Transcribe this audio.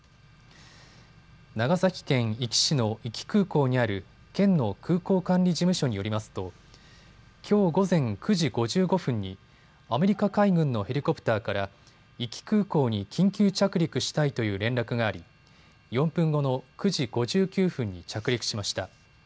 長崎県壱岐市の壱岐空港にある県の空港管理事務所によりますときょう午前９時５５分にアメリカ海軍のヘリコプターから壱岐空港に緊急着陸したいという連絡があり４分後の９時５９分に着陸しました。